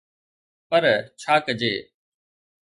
پر ڇا ڪجي؟